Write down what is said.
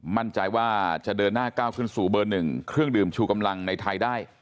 มั่นใจว่าจะเดินหน้าก้าวขึ้นสู่เบอร์๑เครื่องดื่มชูกำลังในไทยได้